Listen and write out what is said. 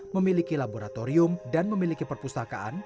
memiliki laboratorium dan memiliki perpustakaan